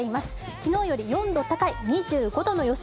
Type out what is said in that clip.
昨日より４度高い２５度の予想。